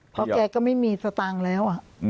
เพราะแกก็ไม่มีสตางค์แล้ว